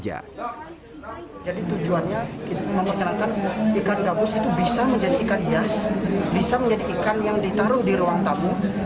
jadi tujuannya kita memperkenalkan ikan gabus itu bisa menjadi ikan hias bisa menjadi ikan yang ditaruh di ruang tabung